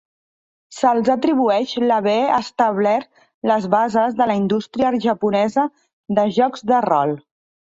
Se'ls atribueix l'haver establert les bases de la indústria japonesa de jocs de rol.